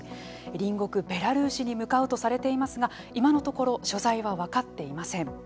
隣国ベラルーシに向かうとされていますが今のところ所在は分かっていません。